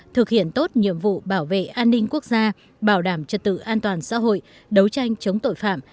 thực hiện tốt nhiệm vụ bảo vệ an ninh quốc gia bảo đảm trật tự an toàn xã hội đấu tranh chống tội phạm